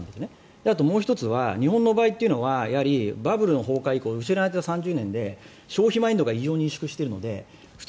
あともう１つ、日本の場合はやはりバブルの崩壊以降失われた３０年で消費マインドが以上に萎縮しているので普通